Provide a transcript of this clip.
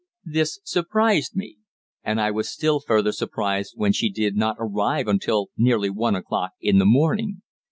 This surprised me. And I was still further surprised when she did not arrive until nearly one o'clock in the morning.